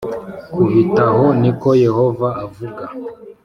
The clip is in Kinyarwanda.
kubitaho ni ko Yehova avuga